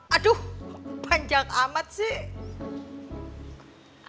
aduh panjang amat sih